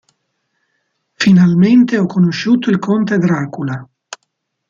Finalmente ho conosciuto il conte Dracula...